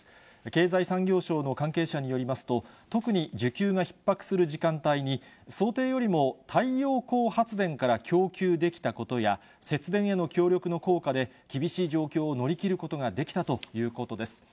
経済産業省の関係者によりますと、特に需給がひっ迫する時間帯に、想定よりも太陽光発電から供給できたことや、節電への協力の効果で厳しい状況を乗り切ることができたということです。